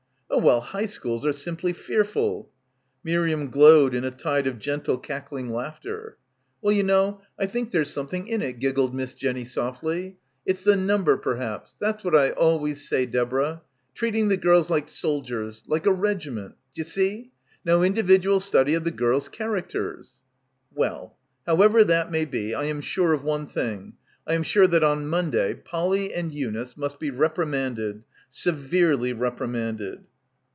"Oh well, high schools are simply fearful." Miriam glowed in a tide of gentle cackling laughter. "Well, you know, I think there's something in it," giggled Miss Jenny softly. "It's the num — 105 — PILGRIMAGE ber perhaps. That's what I always say, Deborah. Treating the gels like soldiers. Like a regiment. D'ye see? No individual study of the gels' char acters " "Well. However that may be, I am sure of one thing. I am sure that on Monday Polly and Eunice must be reprimanded. Severely repri manded."